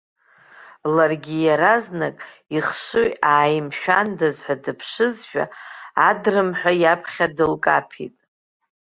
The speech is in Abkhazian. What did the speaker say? Ларгьы иаразнак ихшыҩ ааимшәандаз ҳәа дыԥшызшәа, адрымҳәа иаԥхьа дылкаԥеит.